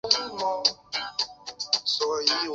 佛坛也是日本人供奉祖宗神位的地方。